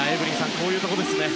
こういうところですね。